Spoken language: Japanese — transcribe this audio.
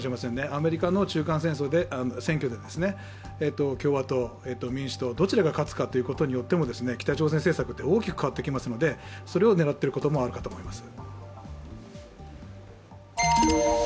アメリカの中間選挙で共和党、民主党、どちらが勝つかによっても北朝鮮政策って大きく変わってきますのでそれを狙っていることもあると思います。